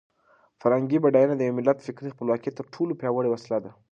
فرهنګي بډاینه د یو ملت د فکري خپلواکۍ تر ټولو پیاوړې وسله ده.